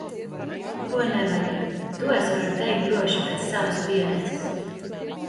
Ko nevajag. To es varu teikt droši pēc savas pieredzes.